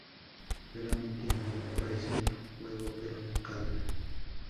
Raramente Mai aparece en el juego, pero nunca habla.